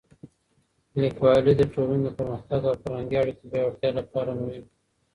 لیکوالی د ټولنې د پرمختګ او فرهنګي اړیکو د پیاوړتیا لپاره مهم دی.